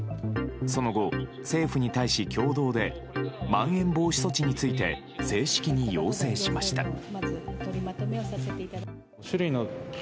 その後、政府に対し共同で、まん延防止措置について正式に要請しました。